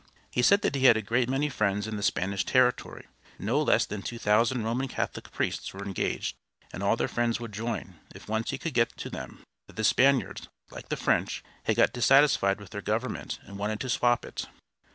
He said that he had a great many friends in the Spanish territory; no less than two thousand Roman Catholic priests were engaged, and all their friends would join, if once he could get to them; that the Spaniards, like the French, had got dissatisfied with their government, and wanted to swap it."